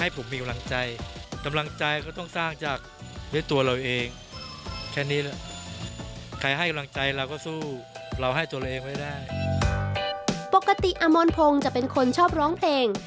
ปกติอมรพงศ์จะเป็นคนชอบร้องเพลง